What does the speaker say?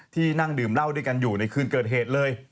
นั่งดื่มเหล้าด้วยกันอยู่ในคืนเกิดเหตุเลย